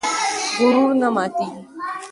غرور نه ماتېږي.